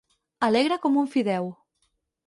Alegre com un fideu.